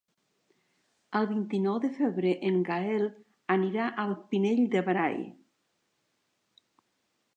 El vint-i-nou de febrer en Gaël anirà al Pinell de Brai.